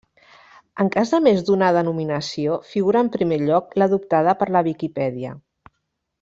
En cas de més d'una denominació figura en primer lloc l'adoptada per la Viquipèdia.